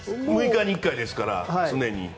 ６日に１回ですから常に。